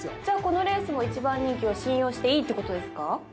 じゃあこのレースも１番人気を信用していいってことですか？